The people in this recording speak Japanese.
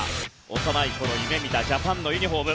幼い頃夢見たジャパンのユニホーム。